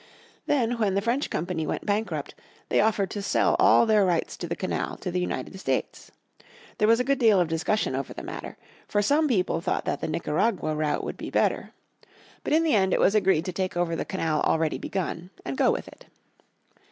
Then when the French company went bankrupt they offered to sell all their rights to the canal to the United States. There was a good deal of discussion over the matter. For some people thought that the Nicaragua route would be better. But in the end it was agreed to take over the canal already begun, and go with it.